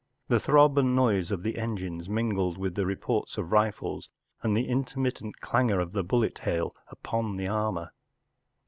The throb and noise of the engines mingled with the reports of the rifles and the intermittent clangour of the bullet hail upon the armour.